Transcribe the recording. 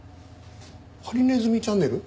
「ハリネズミチャンネル」？